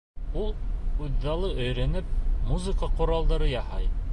Ул, үҙаллы өйрәнеп, музыка ҡоралдары яһай.